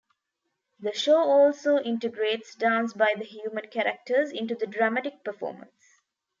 The show also integrates dance by the human characters into the dramatic performance.